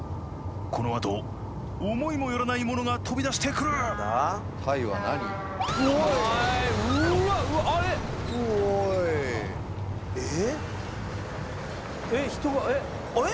このあと思いもよらないものが飛び出してくるえっ人がえっ！？